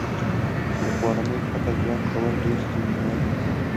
له کورنۍ پرته ژوند کول ډېر ستونزمن وي